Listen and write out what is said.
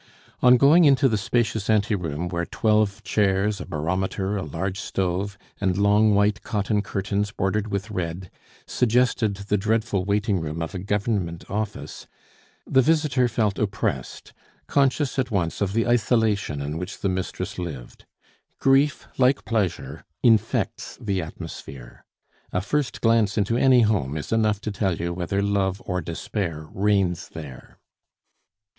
On going into the spacious anteroom, where twelve chairs, a barometer, a large stove, and long, white cotton curtains, bordered with red, suggested the dreadful waiting room of a Government office, the visitor felt oppressed, conscious at once of the isolation in which the mistress lived. Grief, like pleasure, infects the atmosphere. A first glance into any home is enough to tell you whether love or despair reigns there.